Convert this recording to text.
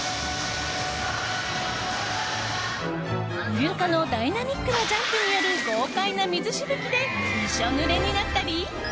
イルカのダイナミックなジャンプによる豪快な水しぶきでびしょぬれになったり。